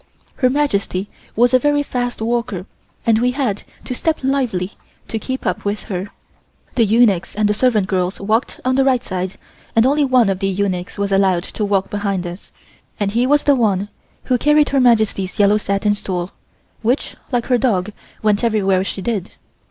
Her Majesty was a very fast walker and we had to step lively to keep up with her. The eunuchs and the servant girls walked on the right side and only one of the eunuchs was allowed to walk behind us, and he was the one who carried Her Majesty's yellow satin stool, which, like her dog, went everywhere she did.